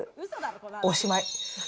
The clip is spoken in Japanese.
おしまい。